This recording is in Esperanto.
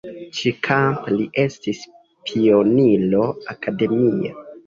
Ĉi-kampe li estis pioniro akademia.